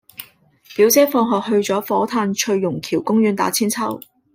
表姐放學去左火炭翠榕橋公園打韆鞦